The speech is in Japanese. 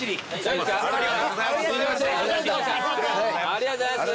ありがとうございます。